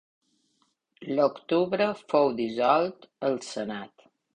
L'octubre fou dissolt el senat.